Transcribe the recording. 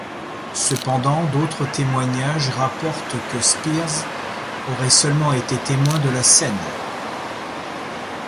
Cependant, d'autres témoignages rapportent que Speirs aurait seulement été témoin de la scène.